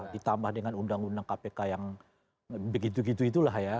ditambah dengan undang undang kpk yang begitu begitu itulah ya